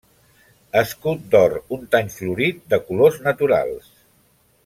Escut d'or, un tany florit, de colors naturals.